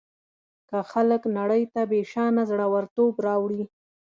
که خلک نړۍ ته بېشانه زړه ورتوب راوړي.